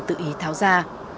tự ý tháo ra